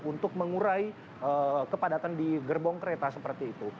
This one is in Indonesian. untuk mengurai kepadatan di gerbong kereta seperti itu